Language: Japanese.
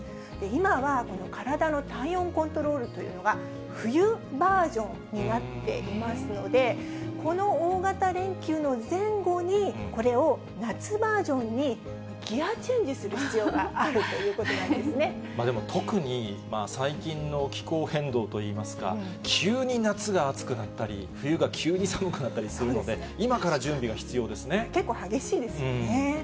今は体の体温コントロールというのが冬バージョンになっていますので、この大型連休の前後に、これを夏バージョンにギアチェンジする必要があるということなんでも特に、最近の気候変動といいますか、急に夏が暑くなったり、冬が急に寒くなったりするので、今から準結構激しいですよね。